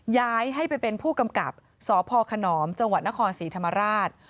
ย้ายให้ไปเป็นผู้กำกับสพขนอมจังหวัดนครศรีธรรมราช